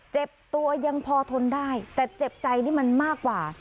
เจ็บตัวยังพอทนได้แต่เจ็บใจนี่มันมากกว่า